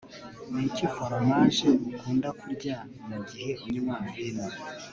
Niki foromaje ukunda kurya mugihe unywa vino